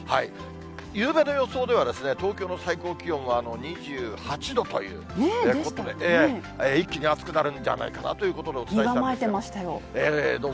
ゆうべの予想では、東京の最高気温は２８度ということで、一気に暑くなるんじゃないかなということでお伝えしたんですけど。